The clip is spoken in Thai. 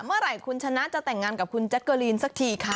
เมื่อไหร่คุณชนะจะแต่งงานกับคุณแจ๊กเกอรีนสักทีคะ